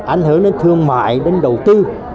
ảnh hưởng đến thương mại đến đầu tư